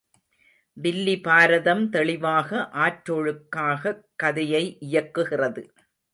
வில்லிபாரதம் தெளிவாக ஆற்றொழுக்காகக் கதையை இயக்குகிறது.